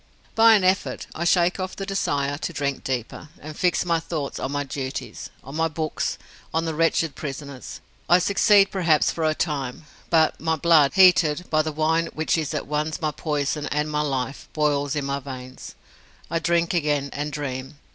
By an effort, I shake off the desire to drink deeper, and fix my thoughts on my duties, on my books, on the wretched prisoners. I succeed perhaps for a time; but my blood, heated by the wine which is at once my poison and my life, boils in my veins. I drink again, and dream.